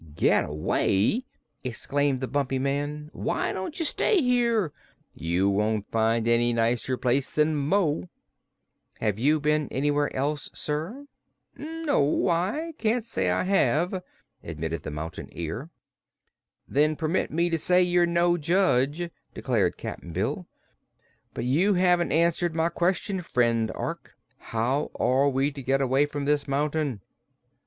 "Get away!" exclaimed the Bumpy Man. "Why don't you stay here? You won't find any nicer place than Mo." "Have you been anywhere else, sir?" "No; I can't say that I have," admitted the Mountain Ear. "Then permit me to say you're no judge," declared Cap'n Bill. "But you haven't answered my question, friend Ork. How are we to get away from this mountain?"